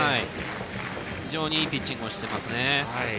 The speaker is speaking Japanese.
非常にいいピッチングをしていますね。